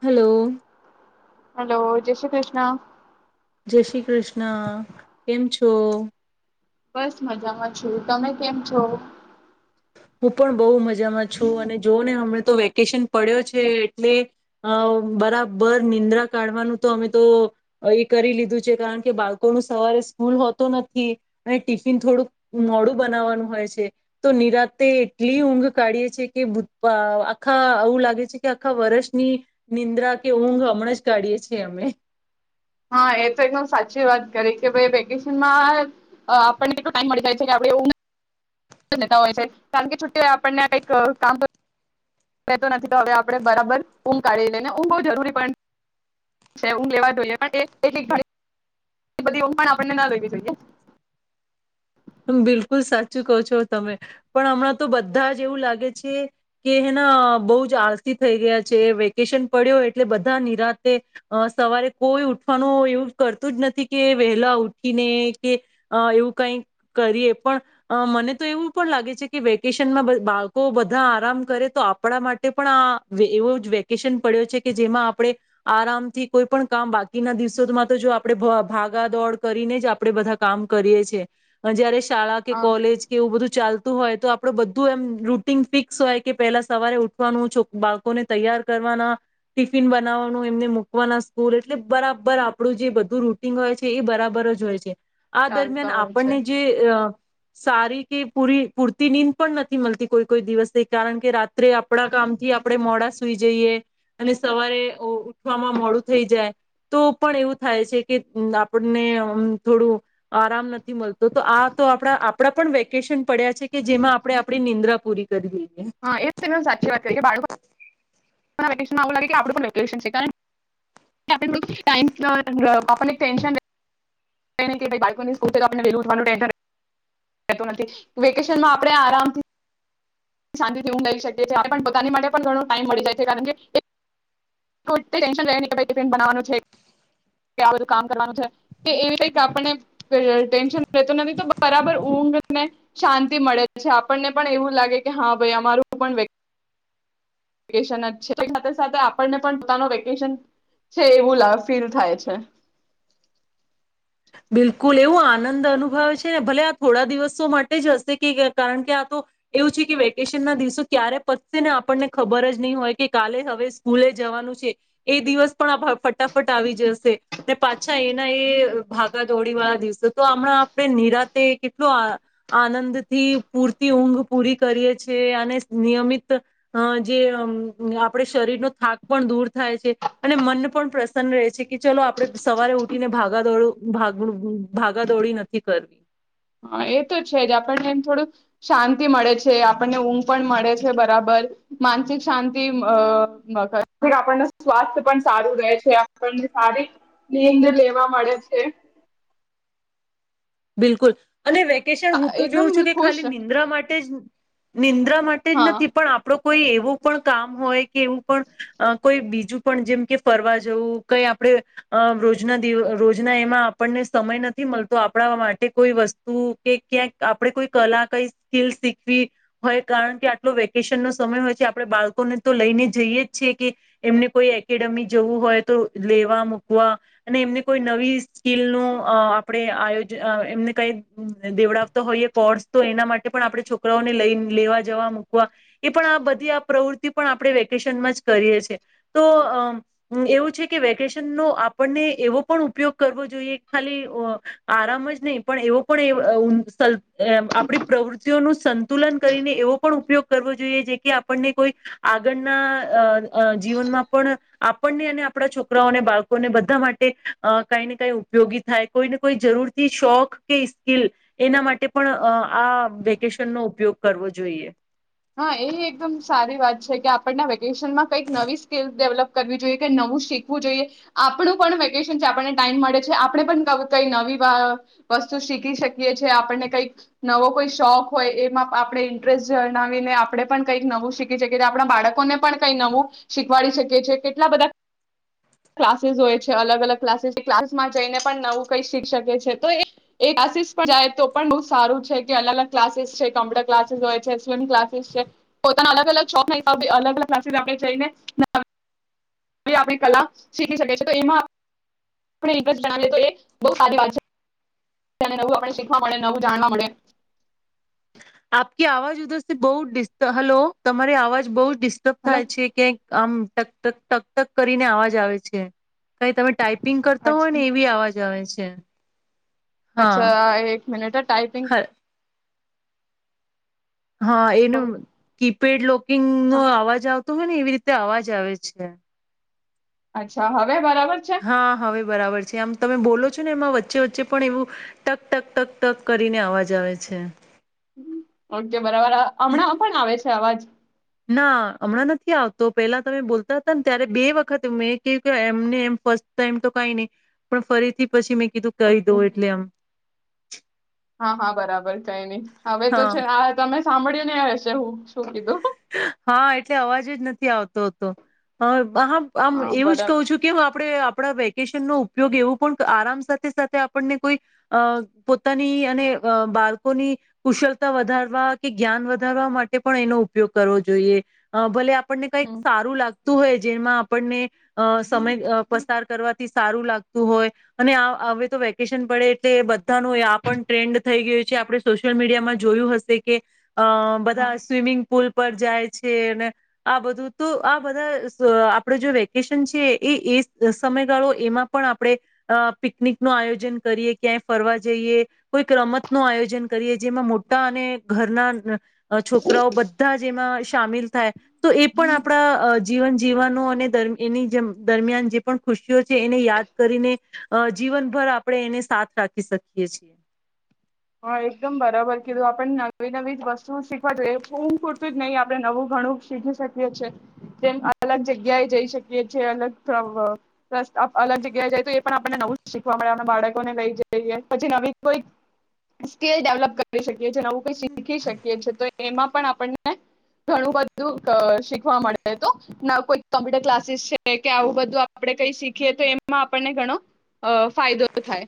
[inaudible] Hello. Hello, જય શ્રી કૃષ્ણ. જય શ્રી કૃષ્ણ. કેમ છો? બસ મજામાં છું. તમે કેમ છો? હું પણ બહુ મજામાં છું અને જો ને હમ તો વેકેશન પડ્યો છે એટલે અહ બરાબર નિંદ્રા કાઢવાનું તો હવે તો એ કરી લીધું છે કારણ કે બાળકોનું સવારે સ્કૂલ હોતો નથી અને ટિફિન થોડુંક મોડું બનાવવાનું હોય છે તો નિરાંત તે એટલી ઊંઘ કાઢીએ છે કે ભૂ આખા આવું લાગે છે કે આખા વર્ષની નિંદ્રા કે ઊંઘ હમણાં જ કાઢીએ છીએ અમે. હા એ તો એકદમ સાચી વાત કરી કે ભાઈ વેકેશન માં આપણને એટલો ટાઈમ મળી જાય છે કે આપણી ઊંઘ લેતાં હોય છે કારણ કે છુટ્ટીઓએ આપણને કંઈક કામ કર કરતો નથી તો હવે આપણે બરાબર ઊંઘ કાઢી લઈ ઊંઘ બહ જરૂરી પણ છે, ઊંઘ લેવા જોઈએ. આપણને ન લેવી જોઈએ. [unintelligible] બિલકુલ સાચું કહો છો તમે, પણ હમણાં તો બધા જ એવું લાગે છે કે હેના બહુ જ આલસી થઈ ગયા છે વેકેશન પડ્યો એટલે બધા નિરાતે સવારે, કોઈ ઉઠવાનું એવું કરતું જ નથી કે વહેલા ઉઠીને કે, એવું કંઈ કરીએ પણ, મને તો એવું પણ લાગે છે કે વેકેશનમાં બ બાળકો બધા આરામ કરે તો આપણા માટે પણ આ એવો જ વેકેશન પડ્યો છે કે જેમાં આપણે, આરામથી કોઈ પણ કામ બાકીના દિવસોમાં તો જો આપણે ભાગાદોડ કરીને જ આપણે બધા કામ કરીએ છે. જયારે શાળા કે હા કોલેજ કે એવું બધું ચાલ તું હોય તો આપણું બધું એમ રૂટન ફિક્સ હોય કે પેલા સવારે ઉઠવાનું, છો બાળકોને તૈયાર કરવાના, ટિફિન બનાવવાનું, એમને મૂકવાના સ્કૂલ એટલે બરાબર આપણું જે બધું રૂટિન હોય છે એ બરાબર જ હોય છે. આ દરમિયાન ચાલતા હોય છે આપણને ત સારી કે પૂરી પૂરતી નીંદ પણ નથી મળતી કોઈ કોઈ દિવસે કારણ કે રાત્રે આપણા કામથી આપણે મોડા સુઈ જઈએ, અને સવારે ઉ ઉઠવામાં મોડું થઈ જાય તો પણ એવું થાય છે, કે આપણને આમ થોડું આરામ નથી મળતું. તો તો આ તો આપણા આપણા પણ વેકેશન પડ્યા છે કે જેમાં આપણેે આપણી નિદ્રા પૂરી કરી દઈએ હા એ તમે સાચી વાત કહી કે બાળકો ના વેકે [unintelligible] [unintelligible] વેકેશનમાં આપણે આરામથી શાંતિથી ઊંઘ લઈ શકીએ છીએ, આપણને પણ પોતાની માટે પણ ઘણો ટાઈમ મળી જાય છે કારણ કે, એ કોઈ ટેન્શન બી રહે નહિં કે ભઈ ટિફીન બનાવવાનું છે, કે આ બધું કામ કરવાનું છે એવી કંઈ આપણને ટેન્શન લેતો નથી તો બરાબર ઊંઘ ને શાંતિ મળે જ છે આપણને પણ એવું લાગે કે હા ભાઈ અમારું પણ વેકે શન જ છે, સાથે સાથે આપને પણ પોતાનું વેકેશન છે, એવું લ ફીલ થાય છે. બિલકુલ એવું આનંદ અનુભવે છેને ભલે આ થોડા દિવસો માટે જ હશે કે કારણ કે આ તો, એવું છે કે વેકેશન ના દિવસો ક્યારે પતશે ને આપણને ખબર જ નહીં હોય કે કાલે હવે સ્કૂલે જવાનું છે, એ દિવસ પણ ફટાફટ આવી જશે ને, પાછા એના એ ભાગા દોડી વાળા દિવસે તો હમણાં આપણે નિરાતે કેટલો આનંદથી પૂરતી ઊંઘ પૂરી કરીએ છે અને નિયમિત, જેમ આપણે શરીરનો થાક પણ દૂર થાય છે, અને મન પણ પ્રસન્ન રહે છે કે ચલો આપણે સવારે ઉઠીને ભાગા દોડું ભાગ ભાગાદોડી નથી કરવી. હા, એતો છે જ આપણને થોડુંક શાંતિ મળે છે, આપણને ઊંઘ પણ મળે છે બરાબર. માનસિક શાંતિ અહ [unintelligible] સ્વાસ્થ પણ સારું રહે છે આપણને સારી નીંદ લેવા મળે છે. બિલકુલ. અને વેકેશન હું તો જોઉં એકદમ છું કે ખુશ ખાલી નિંદ્રા માટે જ નિંદ્રા માટે જ હા નથી પણ આપડુ કોઈ એવું પણ કામ હોય કે એવું પણ કોઈ બીજું પણ જેમ કે ફરવા જવું, કંઈ આપણે રોજના દિવ રોજના એમાં આપણને સમય નથી મલતો આપડાવા માટે, કોઈ વસ્તુ કે ક્યાંક આપણે કોઈ કલા, કઈ સ્કિલ શીખવી હોય, કારણકે આટલો વેકેશનનો સમય હોય તે આપણે બાળકોને તો લઈને જઈએ જ છીએ કે એમને કોઈ એકેડેમી જવું હોય તો લેવા મૂકવા અને એમને કોઈ નવી સ્કિલનો આપણે અહ આયોજ એમને કંઈક દેવડાવતો હોઈએ, કોર્સ તો એના માટે પણ આપણે છોકરાઓને લઈ, લેવા, જવા, મૂકવા એ પણ આ બધી આ પ્રવૃત્તિ પણ આપડે વેકેશનમાં જ કરીએ છે, તો અહ એવું છે કે વેકેશનનો આપણને એવો પણ ઉપયોગ કરવો જોઈએ, ખાલી આરામ જ નહીં પણ એવો પણ એ [unintelligible] એ આપડી પ્રવૃત્તિઓનું સંતુલન કરીને એવો પણ ઉપયોગ કરવો જોઈએ જે કે આપણને કોઈ આગળના અહ અહ જીવનમાં પણ આપણને અને આપણા છોકરાઓને બાળકોને બધા માટે કંઈ ને કંઈ ઉપયોગી થાય કોઈને કો કોઈ જરૂરથી શોખ કે સ્કિલ એના માટે પણ આ વેકેશનનો ઉપયોગ કરવો જોઈએ. હા, એ એકદમ સારી વાત છે કે આપણના વેકેશનમાં કંઈક નવી સ્કીલ ડેવલપ કરવી જોઈએ, કંઈ નવું શીખવું જોઈએ. આપણું પણ વેકેશન છે, આપણને ટાઈઇમ મળે છે, આપણે પણ ક કંઈ નવી વસ્તુ શીખી શકીએ છીએ. આપણને કંઈક નવો કોઈ શોખ હોય એમાં આપણે ઇન્ટરસ્ટ જઆવીને આપણે પણ કંઈક નવું શીખી શકીએ, આપણા બાળકોને પણ કંઈ નવું શીખવાડી શકીએ છીએ, કેટલા બધા ક્લાસીસ હોય છે, અલગ અલગ ક્લાસીસ ક્લાસમાં જઈને પણ નવું કઈ શીખ શકે છે, તો એ એ ક્લાસીસ પણ જાય તો પણ બહ સારું છે કે અલગ અલગ ક્લાસીસ છે, કોમ્પ્યુટર ક્લાસીસ હોય છે, સ્વિમ ક્લાસીસ છે, પોતાના અલગ અલગ શોના હિસાબ અલગ અલગ ક્લાસીસ આપણે જઈને આપણી કલા શીખી શકે છે તો એમાં [unintelligible] એ બ સારી વાત છે. નવું આપણે શીખવા મળે, નવું જાણવા મળે. તમારી અવાજ ત્યાં બો ડિસ્ટર્બ, હલો તમારી અવાજ બહુજ ડિસ્ટર્બ હલો થાય છે ક્યાંક આમ ટકક ટક ટક કરીને અવાજ આવે છે. કઈ તમે ટાઈપિંગ કરતા હોય ને, અચ્છા એવી અવાજ આવે છે. [unintelligible] હા અચ્છા એક મિનટ ટઇપિંગ. હ હા એનું હા, કીપેડ લોકિંગ નો અવાજ આવતો. તો હ ને એવી રીતે અવાજ આવે છે. અચ્છા હવે બરાબર. છે હા હવે બરાબર છે આમ તમે બોલો છો. ને એમાં વચ્ચે વચ્ચે પણ એવું ટક ટક ટક ટક કરીને અવાજ આવે છે. અ કે. બરાબર હમણાં પણ આવે છે અવાજ. ના હમણાં નથી આવતો પેલા તમે બોલતા હતા ને ત્યારે બે વખત મેં ક્યું કે એમને એમ ફર્સ્ટ ટાઈમ તો કઈ નહી પણ ફરીથી પછી મેં. કીધું [unintelligible] દઉ ઓકે એટલે આમ [inaudible] હા હા બરાબર કઈ નહી હવે તો હા છે તમે. સાંભળી ને હશે હું શું કીધું. હા એટલે અવાજ જ નથી આવતો હતો. હા આમ હા એવું જ બરાબર કહું છું કે હું આપડે આપડા. ઉપયોગ એવું પણ આરામ સાથે સાથે આપણને કોઈ પોતાની અને બાળકોની કુશળતા વધારવા કે જ્ઞાન વધારવા માટે પણ એનો. ઉપયોગ કરવો જોઈએ ભલે. આપણને કંઈક હમ સારું લાગત. ું હોય જેમાં આપણને અ સમય પસાર કરવાથી સારું લાગતું હોય અને હવે તો વેકેશન પડે એટલે બધાનું આ પણ ટ્રેન્ડ થઈ ગયું છે આપણે સોશિયલ મીડિયામાં જોયું હશે કે. અ હા બધા સ્વિમિંગ સ્કૂલ પર જાય છે અને આ બધું તો આ બધા આપડ જો વેકેશન છે એ એ સમયગાળો એમાં પણ આપણે પિકનિક નું આયોજન કરીએ ક્યાંય ફરવા જઈએ કોઈક રમત નું આયોજન કરીએ જેમાં મોટા અને ઘરના. છોકરાઓ બધા બધા જેમાં સામેલ થાય. તો એ પણ આપણા જીવન જીવવાનો અને એની દરમિયાન જે પણ ખુશીઓ છે એને યાદ કરીને જીવનભર આપણે એને સાથ રાખી શકીએ છીએ. હા એકદમ બરાબર કીધું. આપણે નવી, નવી વસ્તુ શીખવા જોઈએ એ [unintelligible] પૂરતું જ નહીં આપણે નવું ઘણું શીખી શકીએ છેએ. તેમ અલગ જગ્યાએ જઈ શકીએ છે. એ અલગલ અલગ જગ્યાએ જઈ તો એ પણ આપને નવું શીખવા મળે આપ બાળકોને લઈ જઈએ પછી નવી કોઈ સ્કીલ ડેવલપ કરી નવું કઈ શીખી શકીએ છીએ. તો એમાં પણ આપ ઘણું બધું શીખવા મળે તો કોઈ કોમ્પ્યુટર ક્લાસીસ છે કે આવું બધું આપણે કઈ શીખીએ તો એમાં આપણને ઘણો ફાયદો થાય.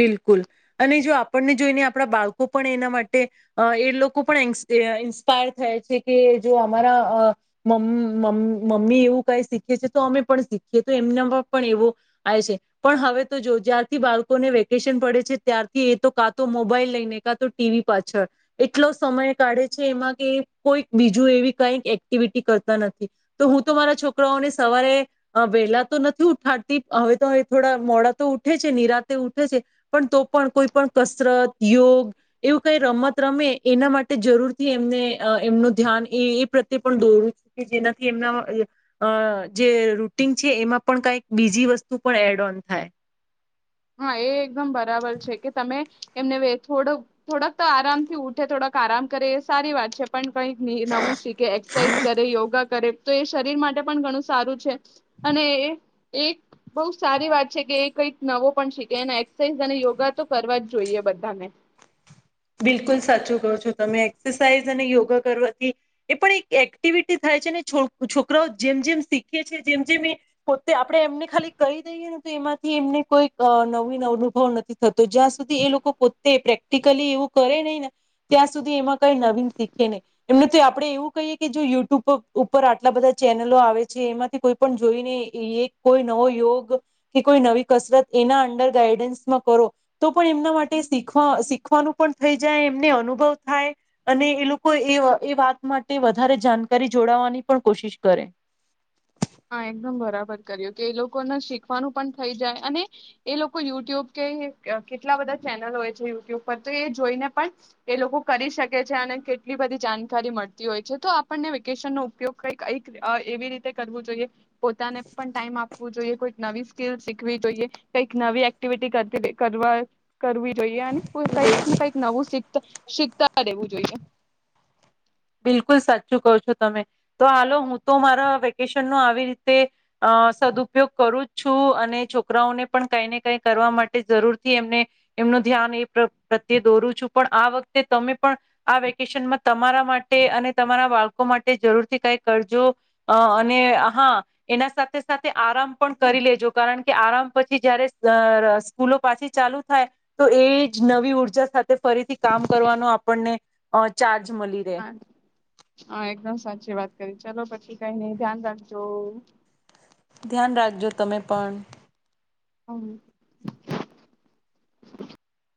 બિલકુલ અને જો આપણને જોઈને આપણા બાળકો પણ એના માટે એ લોકો પણ એન્સ ઇન્સ્પાયર થયા છે કે જો અમારા મમ મમ્મી એવું કઈ શીખે છે તો અમે પણ શીખીએ તો એમનામાં પણ એવો આવે છે પણ હવે તો જો જ્યારથી બાળકો [unintelligible] વેકેશન પડે છે ત્યારથી એ તો કા તો મોબાઈલ લઈને, કા તો ટીવી પાછળ એટલો સમય કાઢે છે એમાં કે કોઈ બીજું એવી કઈક એક્ટિવિટી કરતા નથી તો હું તો મારા છોકરાઓને સવારે વહેલા તો નથી ઉઠાડતી હવે તો થોડા મોડા તો ઉઠે છે નિરા તે ઉઠે છે પણ તો પણ કોઈ પણ કસરત યોગ એવું કઈ રમત રમે એના માટે જરૂરથી એમને એમનું ધ્યાન એ એ પ્રત્યે પણ દોરું કે જેનાથી એમના અ જે રૂટીન છે એમાં પણ કઈક બીજી વસ્તુ પણ એડ ઓન થાય. હા એ એકદમ બરાબર છે કે તમે એમને વે થોડ થોડક તો આરામથી ઉઠે થોડક આરામ કરે એ સારી વાત છે પણ ક નવું શીખે એક્સરસાઝ કરે યોગા કરે. તો એ શરીર માટે પણ ઘણું સારું છે અને એક બહુ સારી વાત છે કે એ કઈક પણ શીખે એ એક્સરસાઇઝ અને યોગા તો કરવા જ જોઈએ બધાને. બિલકુલ સાચું કહો છો તમે એક્સરસાઇઝ યોગા કરવાથી, એ પણ એક એક્ટિવિટી થાય છે ને છોકરાઓ જેમ જેમ શીખે છે જેમ જેમ એ, પોતે આપણે એમને ખાલી કહી દઈએ ને તો એમાંથી એમને કોઈ નવી અનુભવ નથી થતો જ્યાં સુધી એ લોકો પોતે પ્રેક્ટિકલી એવું કરે નહીને, ત્યાં સુધી એમાં કઈ નવીન શીખે નહી, એમને તો આપડે એવું કહીએ કે જો યુટ્યુબ ઉપર આટલા બધા ચેનલો આવે છે એમાંથી કોઈ પણ જોઈને કોઈ નવો યોગ, કે કોઈ નવી કસરત એના અંડર ગાઈડન્સમાં કરો, તો પણ એમના માટે શીખવા શીખવાનું પણ થઈ જાય એમને અનુભવ થાય, અને એ લોકો એ એ વાત માટે વધારે જાણકારી જોડાવાની પણ કોશિશ કરે. હા એકદમ બરાબર કર્યું કે એ લોકોને શીખવાનું પણ થઇ જાય અને, એ લોકો યુટ્યુબ કે કેટલા બધા ચેનલ હોય છે યુટ્યુબ પર તો એ જોઈને પણ, એ લોકો કરી શકે છે અને કેટલી બધી જાણકારી મળતી હોય છે તો આપણને વેકેશન નો ઉપયોગ કઈક ક એવી રીતે કરવો જોઈ. જો પોતાને પણ ટાઈમ આપવું જોઈએ કોઈ નવી સ્કીલ શીખવી જોઈએ, કઈક નવી એક્ટિવિટી કરવી જોઈએ અને કઈક કઈક નવુંખ શીખતા રહેેવું જોઈએ. બિલકુલ સાચું કહ છો તમે, તો હાલો હું તો મારા વેકેશનનો આવી રીતે, અ સદુપયોગ કરું જ છું અને છોકરાઓને પણ કઈ ને કઈ કરવા માટે જરૂરથી એમને, એમનું ધ્યાન એ પ્રત્યે દોરું છું પણ આ વખતે તમે પણ, આ વેકેશનમાં તમારા માટે અને તમારા બાળકો માટે જરૂર થી કઈ કરજો, અને હા એના સાથે સાથે આરામ પણ કરી લેજો કારણ કે આરામ પછી જયારે સ્કૂલો પાછી ચાલુ થાય, તો એ જ નવી ઉર્જા સાથે ફરીથી કામ કરવાનો આપણને, ચારજ જ મળી રહેે. હા હા એકદમ સાચી વાત કરી ચલો પછી કઈ નહ ધ્યાન રાખજો. ધ્યાન રાખજો તમે પણ. હમ. [inaudible]